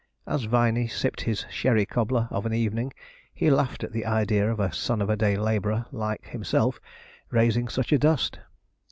As Viney sipped his sherry cobler of an evening, he laughed at the idea of a son of a day labourer like himself raising such a dust.